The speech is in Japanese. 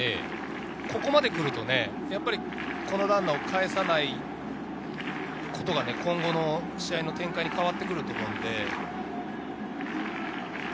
ここまで来るとね、このランナーをかえさない、それが今後の試合展開に変わってくると思います。